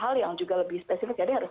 hal yang juga lebih spesifik jadi harus